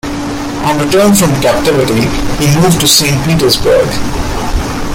On return from captivity, he moved to Saint Petersburg.